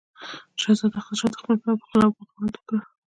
شهزاده خسرو د خپل پلار پر خلاف بغاوت وکړ.